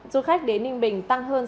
du khách đến ninh bình tăng hơn